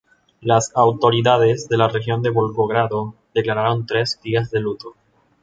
Las autoridades de la región de Volgogrado declararon tres días de luto.